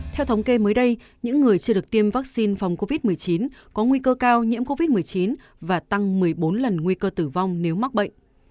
theo thống kê mới đây những người chưa được tiêm vaccine phòng covid một mươi chín có nguy cơ cao nhiễm covid một mươi chín và tăng một mươi bốn lần nguy cơ tử vong nếu mắc bệnh